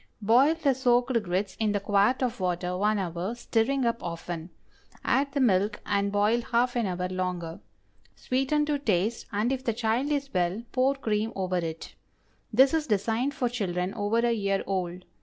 Boil the soaked grits in the quart of water one hour, stirring up often; add the milk and boil half an hour longer. Sweeten to taste, and if the child is well, pour cream over it. This is designed for children over a year old.